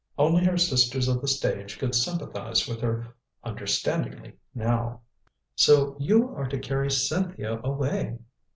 Only her sisters of the stage could sympathize with her understandingly now. "So you are to carry Cynthia away?"